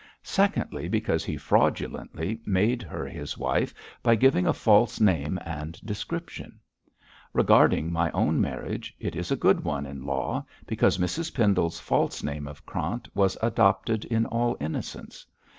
Secondly, because he fraudulently made her his wife by giving a false name and description. Regarding my own marriage, it is a good one in law, because Mrs Pendle's false name of Krant was adopted in all innocence.